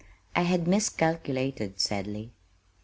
I had miscalculated sadly.